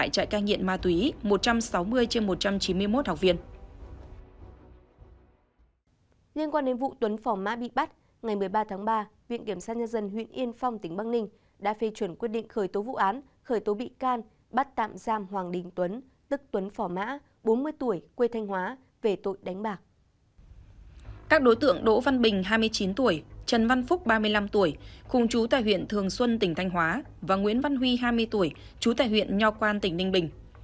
các đối tượng đỗ văn bình hai mươi chín tuổi trần văn phúc ba mươi năm tuổi khung chú tại huyện thường xuân tỉnh thanh hóa và nguyễn văn huy hai mươi tuổi chú tại huyện nho quan tỉnh ninh bình